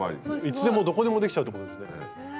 いつでもどこでもできちゃうってことですね。